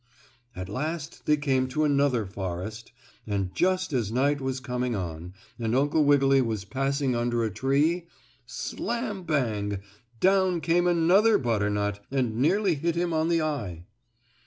At last they came to another forest, and just as night was coming on, and Uncle Wiggily was passing under a tree, slam bang! down came another butternut, and nearly hit him on the eye.